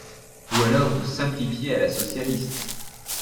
Ou alors, vous simplifiez à la socialiste.